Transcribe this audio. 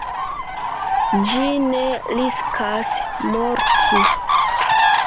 Ĝi ne riskas morti.